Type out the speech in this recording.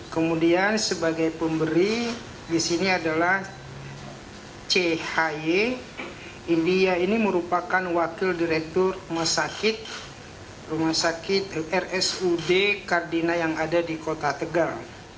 kemudian sebagai pemberi di sini adalah chi india ini merupakan wakil direktur rumah sakit rumah sakit rsud kardina yang ada di kota tegal